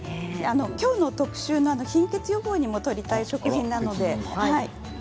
きょうの特集の貧血予防にも取りたい食品なので。